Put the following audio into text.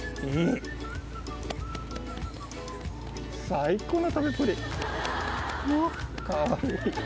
最高の食べっぷり。